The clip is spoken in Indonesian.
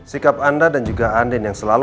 sikap anda dan juga andin yang selalu